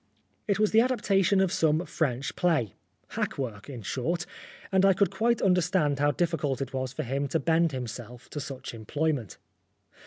It was the adaptation of some French play hack work, in short ; and I could quite understand how difficult it was for him to bend himself to such employment.